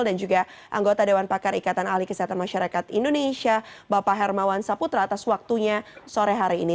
dan juga anggota dewan pakar ikatan ahli kesehatan masyarakat indonesia bapak hermawan saputra atas waktunya sore hari ini